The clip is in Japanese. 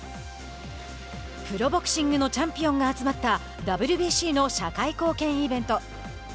プロボクシングのチャンピオンが集まったＷＢＣの社会貢献イベント。